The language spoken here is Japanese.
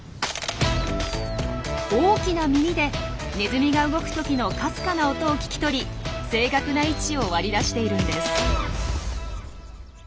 大きな耳でネズミが動くときのかすかな音を聞き取り正確な位置を割り出しているんです。